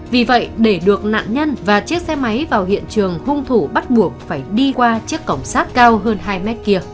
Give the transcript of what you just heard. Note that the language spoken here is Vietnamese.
vì vậy để được nạn nhân và chiếc xe máy vào hiện trường hung thủ bắt buộc phải đi qua chiếc cổng sát cao hơn hai mét kia